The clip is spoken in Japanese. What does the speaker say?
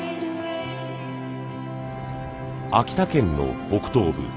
秋田県の北東部